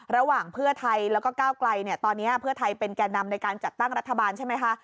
ระหว่างเพื่อไทยแล้วก็ก้าวไกลเนี่ยตอนนี้เพื่อไทยเป็นแก่นำในการจัดตั้งรัฐบาลใช่ไหมคะ